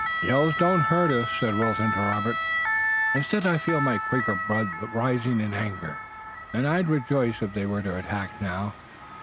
"Yells don't hurt us," said Wilton to Robert. "Instead I feel my Quaker blood rising in anger, and I'd rejoice if they were to attack now.